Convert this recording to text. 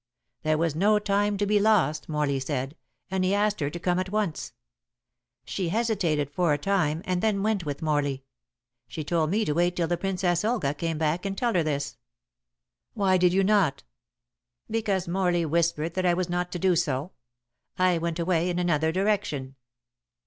There was no time to be lost, Morley said, and he asked her to come at once. She hesitated for a time, and then went with Morley. She told me to wait till the Princess Olga came back and tell her this." "Why did you not?" "Because Morley whispered that I was not to do so. I went away in another direction."